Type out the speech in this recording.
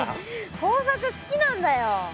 工作好きなんだよ。